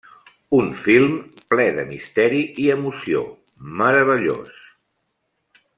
Un film ple de misteri i emoció, meravellós.